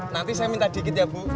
nanti saya minta dikit ya bu